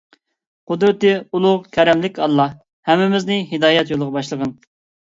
قۇدرىتى ئۇلۇغ كەرەملىك ئاللاھ، ھەممىمىزنى ھىدايەت يولىغا باشلىغىن!